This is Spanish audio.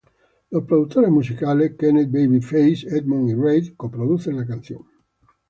Los productores musicales Kenneth "Babyface" Edmonds y Reid co-producen la canción.